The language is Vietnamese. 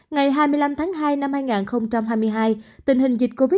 ngày hai mươi năm tháng hai năm hai nghìn hai mươi hai tình hình dịch covid một mươi chín